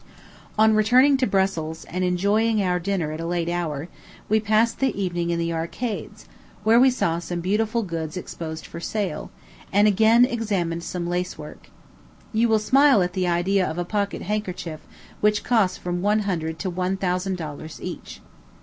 On returning to Brussels, and enjoying our dinner at a late hour, we passed the evening in the Arcades, where we saw some beautiful goods exposed for sale, and again examined some lacework. You will smile at the idea of pocket handkerchiefs which cost from one hundred to one thousand dollars each.